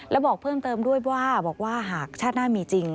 และบอกเพิ่มเติมด้วยว่าบอกว่าหากชาติหน้ามีจริง